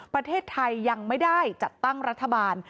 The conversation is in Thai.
ประเทศไทยยังไม่ได้จัดตั้งรัฐบาล